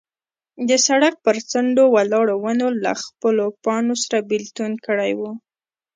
د سړک پر څنډو ولاړو ونو له خپلو پاڼو سره بېلتون کړی و.